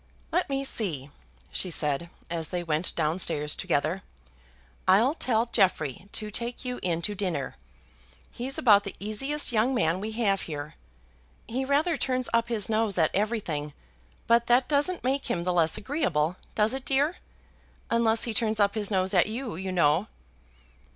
"Let me see," she said, as they went down stairs together. "I'll tell Jeffrey to take you in to dinner. He's about the easiest young man we have here. He rather turns up his nose at everything, but that doesn't make him the less agreeable; does it, dear? unless he turns up his nose at you, you know."